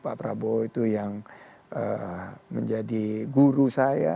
pak prabowo itu yang menjadi guru saya